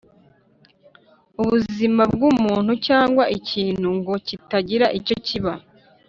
Ubuzima bw umuntu cyangwa ikintu ngo kitagira icyo kiba